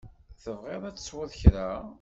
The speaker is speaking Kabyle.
Tebɣiḍ ad tesweḍ kra?